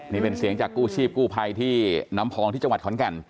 นี่เป็นเสียงจากกู้ชีพกู้ภัยที่น้ำพองที่จังหวัดขอนแก่น